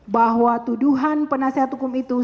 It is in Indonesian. bahwa tuduhan penasihat hukum itu